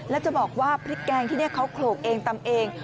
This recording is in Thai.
แล้วจะบอกว่าพริกแกงที่นี่เขาโขลกเองตำเอง